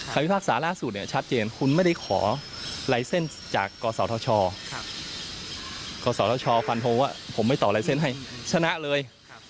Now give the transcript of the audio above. คำพิพากษาร่าสูตรเนี่ยชัดเจนคุณไม่ได้ขอไลเซ็นต์จากกศครับกศฟันโทว่ว่าผมไม่ต่อไลเซ็นต์ให้ชนะเลย